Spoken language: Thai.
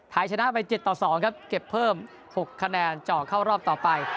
ชนะไป๗ต่อ๒ครับเก็บเพิ่ม๖คะแนนเจาะเข้ารอบต่อไป